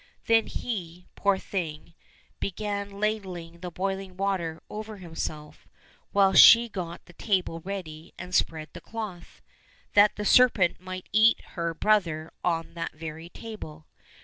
" Then he, poor thing, began ladling the boiling water over himself, while she got the table ready and spread the cloth, that the serpent might eat her brother on that very table.